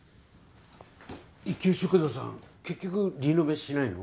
一休食堂さん結局リノベしないの？